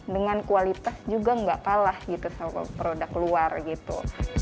dengan kualitas juga nggak kalah gitu sama produk luar gitu